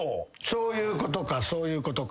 そういうことかそういうことか。